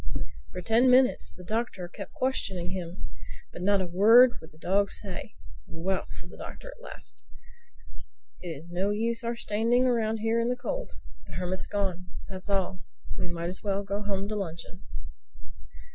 For ten minutes the Doctor kept questioning him. But not a word would the dog say. "Well," said the Doctor at last, "it is no use our standing around here in the cold. The Hermit's gone. That's all. We might as well go home to luncheon."